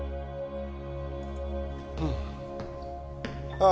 ああ